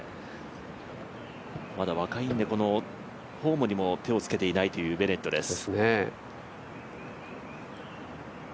まだ若いんで、フォームにも手をつけていないというベネットです。